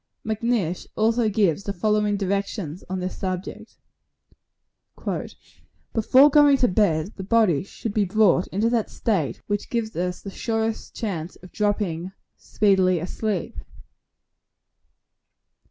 Macnish also gives the following directions on this subject: "Before going to bed, the body should be brought into that state, which gives us the surest chance of dropping speedily asleep.